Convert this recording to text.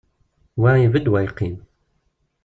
Wa ibedd, wa yeqqim.